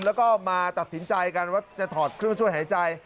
แล้วก็มาตัดสินใจกันว่าจะถอดเครื่องช่วยหายใจ